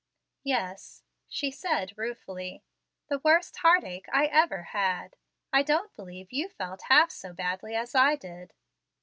"Yes," she said, ruefully, "the worst heartache I ever had. I don't believe you felt half so badly as I did."